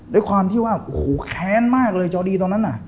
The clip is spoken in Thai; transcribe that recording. ด้วยความที่ว่าโอ้โหแค้นมากเลยจอดีตอนนั้นน่ะ